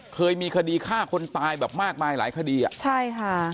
เคยมีคดีฆ่าคนตายแบบมากมายหลายคดีอ่ะใช่ค่ะ